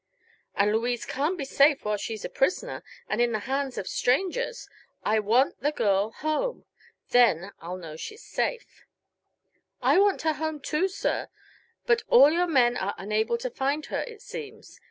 "And Louise can't be safe while she's a prisoner, and in the hands of strangers. I want the girl home! Then I'll know she's safe." "I want her home, too, sir. But all your men are unable to find her, it seems.